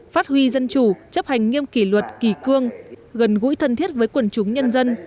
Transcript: phát huy dân chủ chấp hành nghiêm kỷ luật kỳ cương gần gũi thân thiết với quần chúng nhân dân